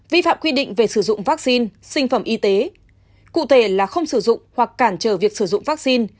vi phạm quy định về sử dụng vaccine sinh phẩm y tế cụ thể là không sử dụng hoặc cản trở việc sử dụng vaccine